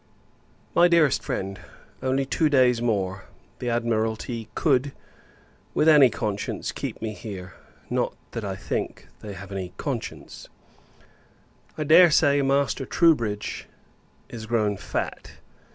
MY DEAREST FRIEND, Only two days more, the Admiralty could, with any conscience, keep me here; not that I think, they have had any conscience. I dare say, Master Troubridge is grown fat.